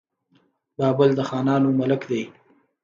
بابل د خانانو ملک دی.